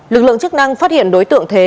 lực lượng chức năng phát hiện đối tượng thế